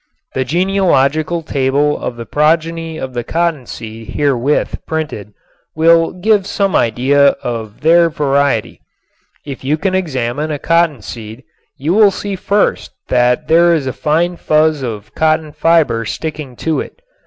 The genealogical table of the progeny of the cottonseed herewith printed will give some idea of their variety. If you will examine a cottonseed you will see first that there is a fine fuzz of cotton fiber sticking to it.